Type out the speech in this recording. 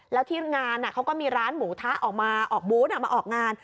แล้วที่งานเขาก็มีร้านหมูทะออกมาออกบูธมาออกงาน